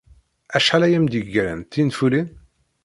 Acḥal ay am-d-yeggran d tinfulin?